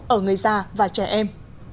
ở người già và trẻ em